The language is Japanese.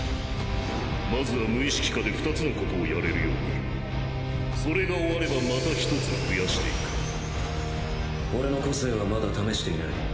まずは無意識下で２つの事をやれるようにそれが終わればまた１つ増やしていく俺の個性はまだ試していない。